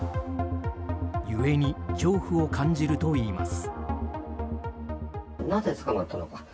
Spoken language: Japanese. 故に恐怖を感じるといいます。